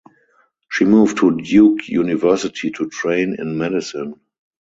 She moved to Duke University to train in medicine.